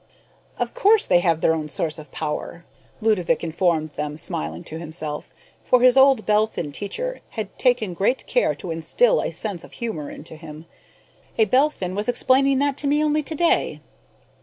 "Of course they have their own source of power," Ludovick informed them, smiling to himself, for his old Belphin teacher had taken great care to instill a sense of humor into him. "A Belphin was explaining that to me only today."